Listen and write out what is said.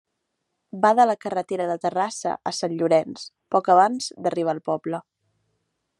Va de la carretera de Terrassa a Sant Llorenç, poc abans d'arribar al poble.